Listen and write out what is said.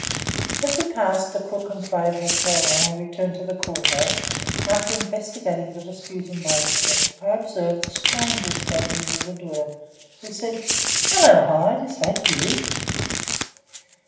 As we passed the "Crook and Plaid Hotel," on our return to the court house, after investigating the dispute in Murray Street, I observed a stranger standing near the door, who said: "Hello, Hyde! is that you?"